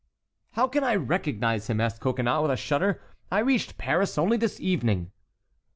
"How can I recognize him?" asked Coconnas, with a shudder; "I reached Paris only this evening."